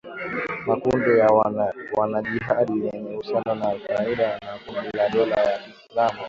makundi ya wanajihadi yenye uhusiano na al-Qaeda na kundi la dola ya kiislamu